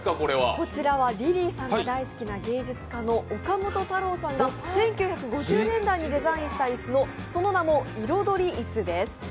こちらはリリーさんが大好きな芸術家の岡本太郎さんが１９５０年代にデザインしたその名も「彩りイス」です。